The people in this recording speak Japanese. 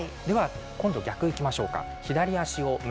今度は逆いきましょう。